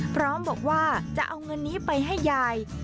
พร้อมบอกว่าจะเอาเงินนี้ไปให้ยาย